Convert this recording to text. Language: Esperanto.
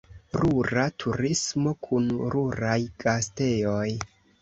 Rura turismo kun ruraj gastejoj.